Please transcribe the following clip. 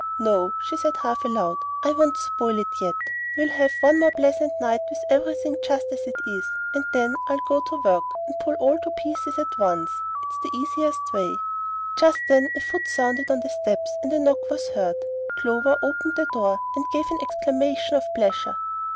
"No," she said half aloud, "I won't spoil it yet. We'll have one more pleasant night with everything just as it is, and then I'll go to work and pull all to pieces at once. It's the easiest way." Just then a foot sounded on the steps, and a knock was heard. Clover opened the door, and gave an exclamation of pleasure.